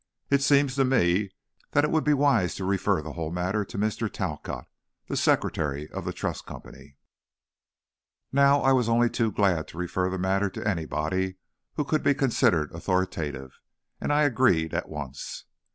It seems to me that it would be wise to refer the whole matter to Mr. Talcott, the secretary of the Trust Company." Now, I was only too glad to refer the matter to anybody who could be considered authoritative, and I agreed at once.